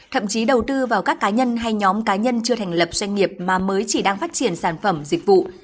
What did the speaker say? thậm chí đầu tư vào các cá nhân hay nhóm cá nhân chưa thành lập doanh nghiệp mà mới chỉ đang phát triển sản phẩm dịch vụ